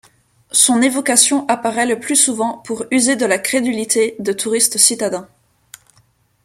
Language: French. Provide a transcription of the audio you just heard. Son évocation apparaît le plus souvent pour user de la crédulité de touristes citadins.